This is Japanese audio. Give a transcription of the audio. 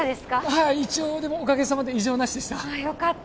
はい一応でもおかげさまで異常なしでしたああよかった